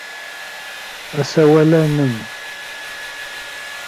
Asawal-a nnem.